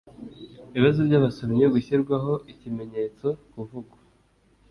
ibibazo by abasomyi gushyirwaho ikimenyetso kuvugwa